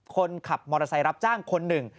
คนขับมอเตอร์ไซค์รับจ้างคนหนึ่ง